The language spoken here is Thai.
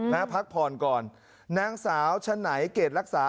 พักผ่อนก่อนนางสาวฉะไหนเกรดรักษา